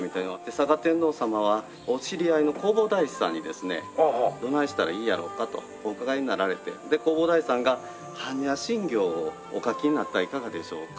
嵯峨天皇さまはお知り合いの弘法大師さんにですねどないしたらいいんやろかとお伺いになられてで弘法大師さんが般若心経をお書きになったらいかがでしょうかと。